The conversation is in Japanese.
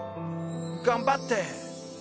頑張って！